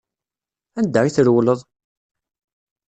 Anda i trewleḍ?